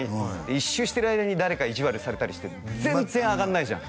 １周してる間に誰か意地悪されたりして全然あがんないじゃん